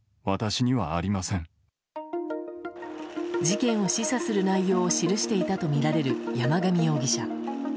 事件を示唆する内容を記していたとみられる山上容疑者。